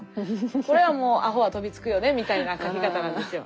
これはもうアホは飛びつくよねみたいな書き方なんですよ。